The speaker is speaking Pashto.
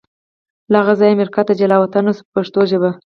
له هغه ځایه امریکا ته جلا وطن شو په پښتو ژبه.